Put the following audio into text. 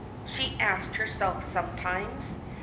she asked herself sometimes.